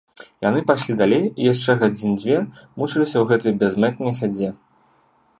Яны пайшлі далей і яшчэ гадзін дзве мучыліся ў гэтай бязмэтнай хадзе.